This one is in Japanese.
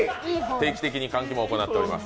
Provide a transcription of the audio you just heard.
定期的に換気も行っています。